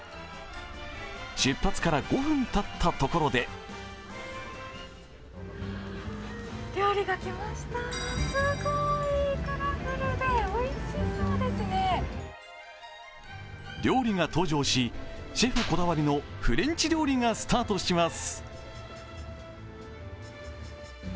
出発から５分たったところで料理が登場し、シェフこだわりのフレンチ料理がスタートします。